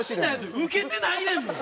ウケてないねんもん！